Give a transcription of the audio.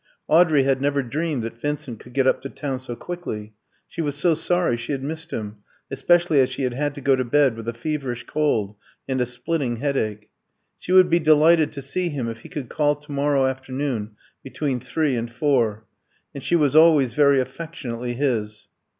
Audrey had never dreamed that Vincent could get up to town so quickly. She was so sorry she had missed him; especially as she had had to go to bed with a feverish cold and a splitting headache. She would be delighted to see him if he could call to morrow afternoon, between three and four. And she was always very affectionately his.